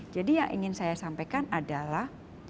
jadi yang ingin saya sampaikan adalah